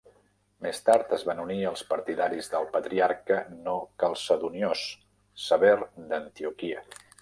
Més tard, es van unir els partidaris del patriarca no calcedoniós Sever d'Antioquia.